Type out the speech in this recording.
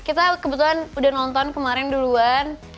kita kebetulan udah nonton kemarin duluan